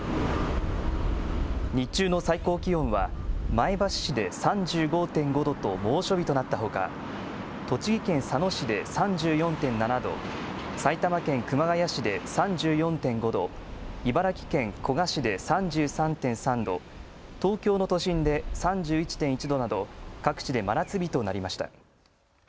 日中の最高気温は前橋市で３５．５度と猛暑日となったほか栃木県佐野市で３４．７度、埼玉県熊谷市で３４．５度、茨城県古河市で３３．３度、東京の都心で３１．１度など各地で真夏日となりました。